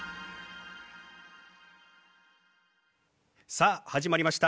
さあ始まりました。